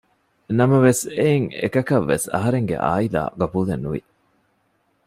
ނަމަވެސް އެއިން އެކަކަށްވެސް އަހަރެންގެ އާއިލާ ޤަބޫލެއް ނުވި